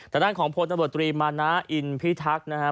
แต่ด้านของโพธิบัตรบริมาณาอินพิทักษ์นะฮะ